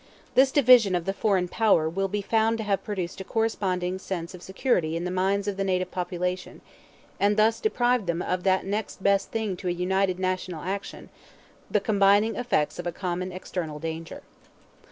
This division of the foreign power will be found to have produced a corresponding sense of security in the minds of the native population, and thus deprived them of that next best thing to a united national action, the combining effects of a common external danger.